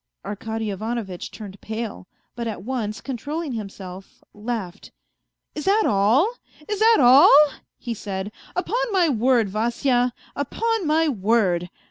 Arkady Ivanovitch turned pale, but at once controlling himself, laughed. " Is that all ? Is that all ?" he said. " Upon my word, Vasya, upon my word